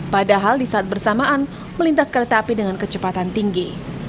padahal di saat bersamaan melintas kereta api dengan kecepatan tinggi